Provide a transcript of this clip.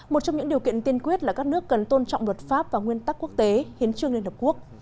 một trong những điều kiện tiên quyết là các nước cần tôn trọng luật pháp và nguyên tắc quốc tế hiến trương liên hợp quốc